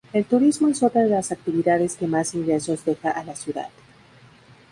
El turismo es otra de las actividades que más ingresos deja a la ciudad.